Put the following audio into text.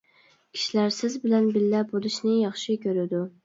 كىشىلەر سىز بىلەن بىللە بولۇشنى ياخشى كۆرىدۇ.